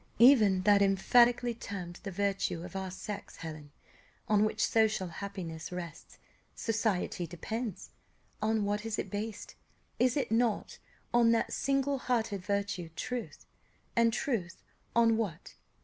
Even that emphatically termed the virtue of our sex, Helen, on which social happiness rests, society depends, on what is it based? is it not on that single hearted virtue truth? and truth on what?